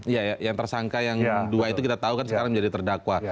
iya yang tersangka yang dua itu kita tahu kan sekarang menjadi terdakwa